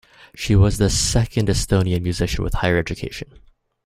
She was the second Estonian musician with higher education.